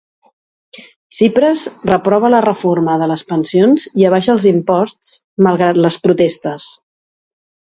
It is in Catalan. Tsipras reprova la reforma de les pensions i abaixa els imposts, malgrat les protestes.